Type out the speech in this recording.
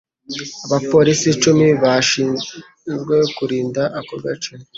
Abapolisi icumi bashinzwe kurinda ako gace.